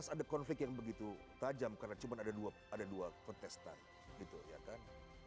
dua ribu empat belas ada konflik yang begitu tajam karena cuma ada dua kutestan gitu ya kan